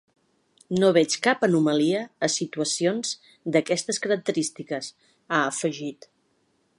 “No veig cap anomalia a situacions d’aquestes característiques”, ha afegit.